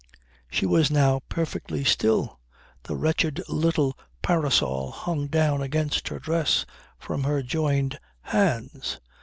She was now perfectly still. The wretched little parasol hung down against her dress from her joined hands.